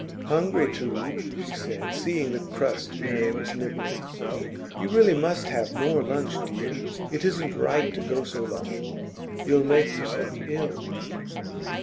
'Hungry, too,' she said, seeing the crust Marian was nibbling. 'You really must have more lunch, dear. It isn't right to go so long; you'll make yourself ill.